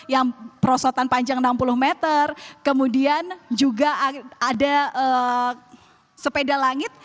yang perosotan panjang enam puluh meter kemudian juga ada sepeda langit